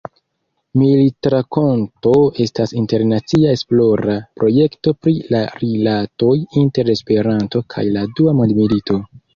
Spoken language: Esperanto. Militrakonto estas internacia esplora projekto pri la rilatoj inter Esperanto kaj la Dua Mondmilito.